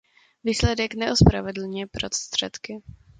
Výsledek neospravedlňuje prostředky.